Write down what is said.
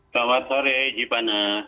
selamat sore iji pana